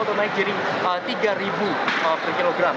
atau naik jaring tiga per kilogram